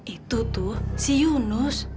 itu tuh si yunus